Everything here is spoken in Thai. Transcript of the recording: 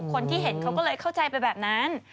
คนที่เห็นเขาก็เลยเข้าใจไปแบบนั้น